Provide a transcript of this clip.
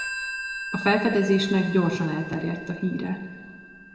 A felfedezésnek gyorsan elterjedt a híre.